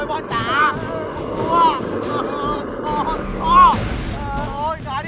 กูไม่รู้เว้ยพ่อจ๋า